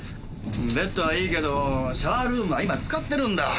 ベッドはいいけどシャワールームは今使ってるんだ。